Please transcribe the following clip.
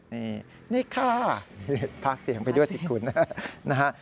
นี่นี่ค่ะพากเสียงไปด้วยสิคุณนะฮะ